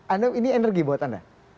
anda ini energi buat anda